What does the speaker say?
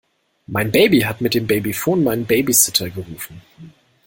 Mein Baby hat mit dem Babyphon meinen Babysitter gerufen.